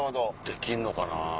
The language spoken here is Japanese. できんのかな。